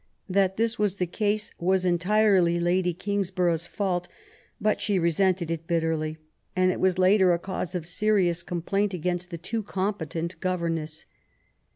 That this was the case was entirely Lady Kingsborough's fault, but she resented it bitterly, and it was later a cause of serious complaint against the too competent governess.